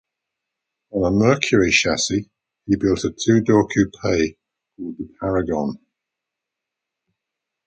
On a Mercury chassis, he built a two-door coupe called the "Paragon".